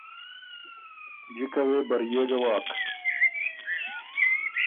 جکه وې بريې ګه واک